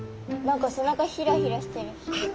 何か背中ヒラヒラしてるし。